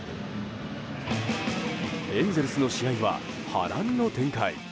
エンゼルスの試合は波乱の展開。